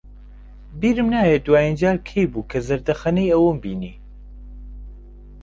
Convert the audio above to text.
بیرم ناهێت دوایین جار کەی بوو کە زەردەخەنەی ئەوم بینی.